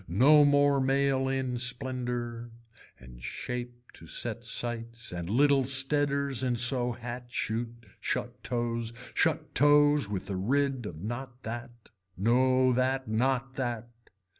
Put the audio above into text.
No more mail in splendor and shape to set sights and little steaders in so hat shoot, shut toes, shut toes with a rid of not that, no that, not that.